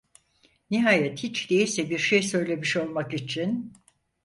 Nihayet hiç değilse bir şey söylemiş olmak için: